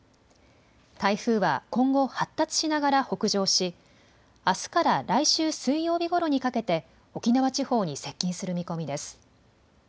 台風は今後、発達しながら北上しあすから来週水曜日ごろにかけて沖縄地方に接近する見込みです。